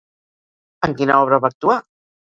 En quina obra va actuar?